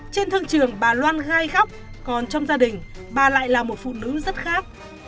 trên thương trưởng bà loan gay khóc còn trong gia đình bà lại là một phụ nữ khác